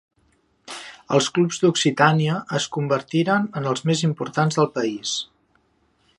Els clubs d'Occitània es convertiren en els més importants del país.